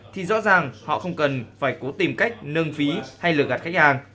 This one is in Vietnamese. thì rõ ràng họ không cần phải cố tìm cách nâng phí hay lửa gạt khách hàng